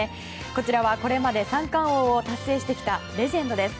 こちらは、これまで三冠王を達成してきたレジェンドです。